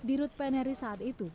dirut pnri saat itu